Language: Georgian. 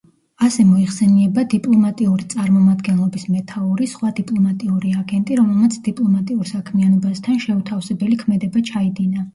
ასე მოიხსენიება დიპლომატიური წარმომადგენლობის მეთაური, სხვა დიპლომატიური აგენტი, რომელმაც დიპლომატიურ საქმიანობასთან შეუთავსებელი ქმედება ჩაიდინა.